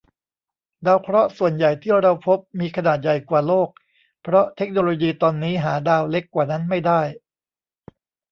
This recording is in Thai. ดาวเคราะห์ส่วนใหญ่ที่เราพบ มีขนาดใหญ่กว่าโลก เพราะเทคโนโลยีตอนนี้หาดาวเล็กกว่านั้นไม่ได้